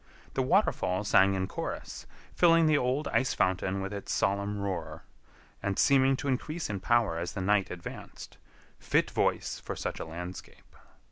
The waterfall sang in chorus, filling the old ice fountain with its solemn roar, and seeming to increase in power as the night advanced—fit voice for such a landscape.